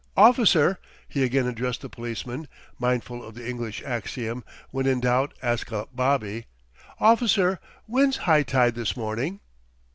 "Officer," he again addressed the policeman, mindful of the English axiom: "When in doubt, ask a bobby." "Officer, when's high tide this morning?"